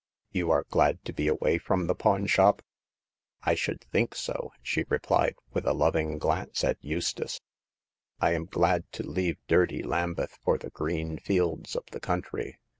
You are glad to be away from the pawn shop ?"I should think so !she replied, with a loving glance at Eustace. " I am glad to leave dirty Lambeth for the green fields of the country.